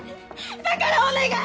だからお願い！